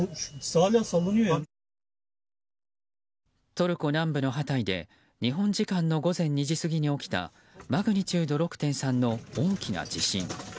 トルコ南部のハタイで日本時間の午前２時過ぎに起きたマグニチュード６．３の大きな地震。